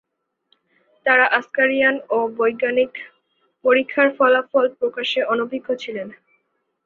আর আস্কারিয়ান-ও বৈজ্ঞানিক পরীক্ষার ফলাফল প্রকাশে অনভিজ্ঞ ছিলেন।